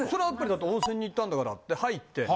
やっぱり温泉に行ったんだからって入って。